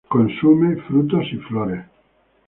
Consume frutos y flores.